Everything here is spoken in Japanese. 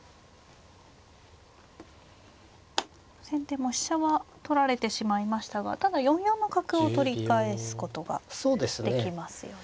先手も飛車は取られてしまいましたがただ４四の角を取り返すことができますよね。